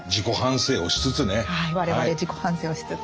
我々自己反省をしつつ。